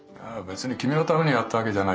別に君のためにやったわけじゃないよ。